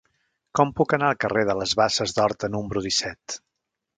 Com puc anar al carrer de les Basses d'Horta número disset?